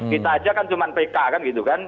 kita aja kan cuma pk kan gitu kan